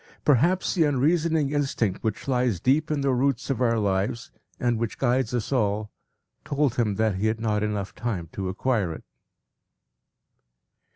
Perhaps the unreasoning instinct which lies deep in the roots of our lives, and which guides us all, told him that he had not time enough to acquire it.